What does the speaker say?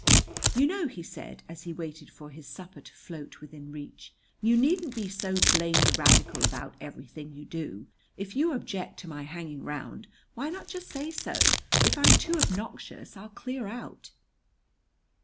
"You know," he said as he waited for his supper to float within reach, "you needn't be so blamed radical about everything you do! If you object to my hanging round, why not just say so? If I'm too obnoxious I'll clear out."